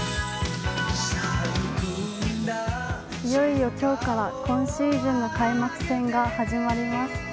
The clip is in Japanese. いよいよ今日から今シーズンの開幕戦が始まります。